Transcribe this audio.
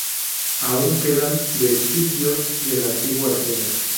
Aun quedan vestigios de la antigua Hacienda.